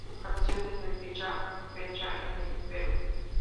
Se estableció desde dicha fecha en el Perú.